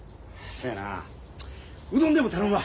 そやなうどんでも頼むわ！